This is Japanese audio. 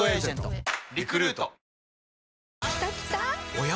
おや？